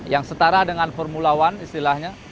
yang setara dengan formula one istilahnya